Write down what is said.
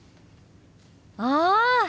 ああ！